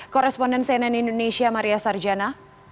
koresponden cnn indonesia maria sarjana